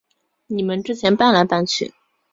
你们之前搬来搬去